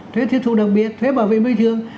thuế thiết thu đặc biệt thuế bảo vệ mưu trường